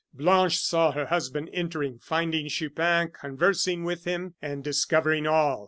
Blanche saw her husband entering, finding Chupin, conversing with him, and discovering all!